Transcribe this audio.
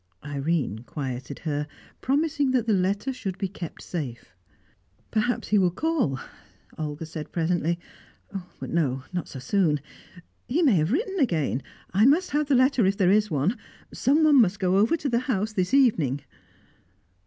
Irene quieted her, promising that the letter should be kept safe. "Perhaps he will call," Olga said presently. "But no, not so soon. He may have written again. I must have the letter if there is one. Someone must go over to the house this evening."